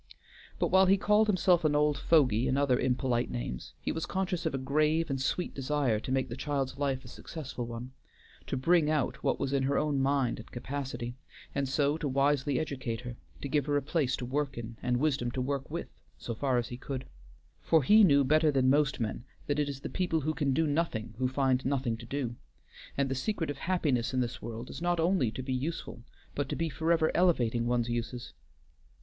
But while he called himself an old fogy and other impolite names he was conscious of a grave and sweet desire to make the child's life a successful one, to bring out what was in her own mind and capacity, and so to wisely educate her, to give her a place to work in, and wisdom to work with, so far as he could; for he knew better than most men that it is the people who can do nothing who find nothing to do, and the secret of happiness in this world is not only to be useful, but to be forever elevating one's uses.